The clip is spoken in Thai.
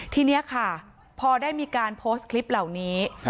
ทีนี้ค่ะพอได้มีการโพสต์คลิปเหล่านี้